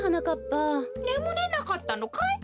ねむれなかったのかい？